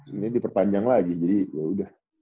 sebenarnya diperpanjang lagi jadi yaudah